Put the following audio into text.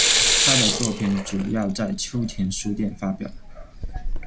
她的作品主要在秋田书店发表。